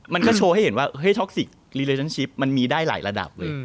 มันก็โชว์ให้เห็นว่าเฮ้ยท็อกซิกรีเลชั่นชิปมันมีได้หลายระดับเลย